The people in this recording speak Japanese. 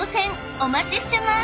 お待ちしてます！］